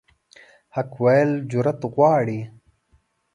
حق ویل جرأت غواړي.